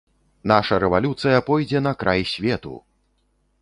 Наша рэвалюцыя пойдзе на край свету!